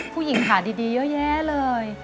ผู้หญิงขาดีเยอะแยะเลย